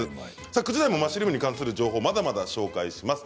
９時台もマッシュルームに関する情報をご紹介します。